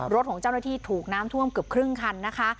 รถของเจ้าหน้าที่ถูกน้ำท่วมเกือบครึ่งคันนะคะ